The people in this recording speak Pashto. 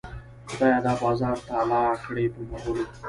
خدایه دا بازار تالا کړې په مغلو.